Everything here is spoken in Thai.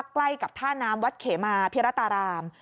ใกล้กับท่าน้ำวัดเขมาพิรัตราราม